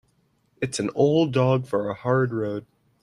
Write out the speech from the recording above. It's an old dog for a hard road.